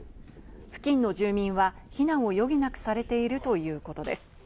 付近の住民は避難を余儀なくされているということです。